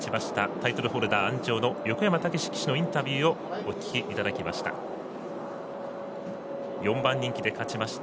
タイトルホルダー鞍上の横山武史ジョッキーのインタビューをお聞きいただきました。